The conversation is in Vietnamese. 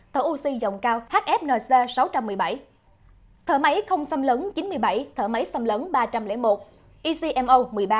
tàu oxy rộng cao hfnc sáu trăm một mươi bảy thợ máy không xâm lấn chín mươi bảy thở máy xâm lấn ba trăm linh một ecmo một mươi ba